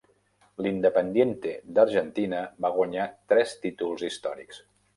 L'Independiente d'Argentina va guanyar tres títols històrics.